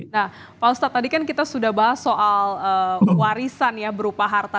nah pak ustadz tadi kan kita sudah bahas soal warisan ya berupa harta